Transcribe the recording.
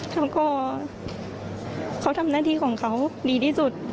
แล้วก็เขาทำหน้าที่ของเขาดีที่สุด